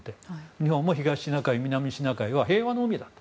日本も東シナ海、南シナ海は平和の海だと。